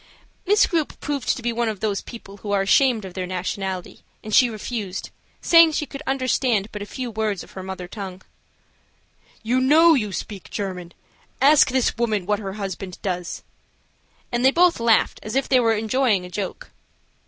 Miss Grupe proved to be one of those people who are ashamed of their nationality, and she refused, saying she could understand but few worlds of her mother tongue. "You know you speak German. Ask this woman what her husband does," and they both laughed as if they were enjoying a joke.